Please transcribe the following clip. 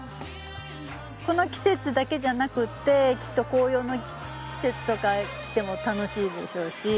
この季節だけじゃなくってきっと紅葉の季節とか来ても楽しいでしょうし。